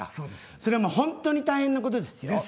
それはもう本当に大変なことですよ。